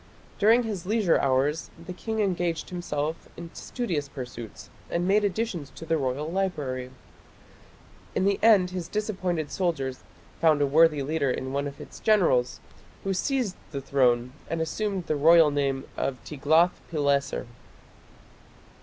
During his leisure hours the king engaged himself in studious pursuits and made additions to the royal library. In the end his disappointed soldiers found a worthy leader in one of its generals who seized the throne and assumed the royal name of Tiglath pileser.